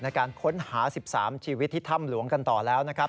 ในการค้นหา๑๓ชีวิตที่ถ้ำหลวงกันต่อแล้วนะครับ